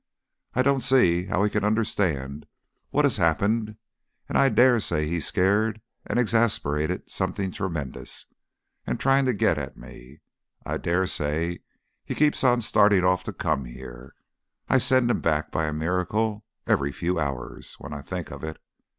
I don't see how he can understand what has happened, and I daresay he's scared and exasperated something tremendous, and trying to get at me. I daresay he keeps on starting off to come here. I send him back, by a miracle, every few hours, when I think of it.